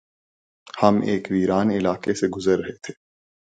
ہم ایک ویران علاقے سے گزر رہے تھے